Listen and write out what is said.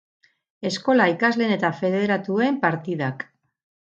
Eskola ikasleen eta federatuen partidak.